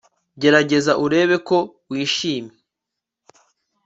gerageza urebe ko wishimye